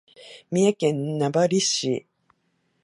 三重県名張市